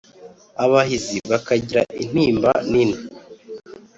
Abahizi bakagira intimba nini